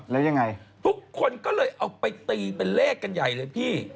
แล้วยังไงทุกคนก็เลยเอาไปตีเป็นเลขกันใหญ่เลยพี่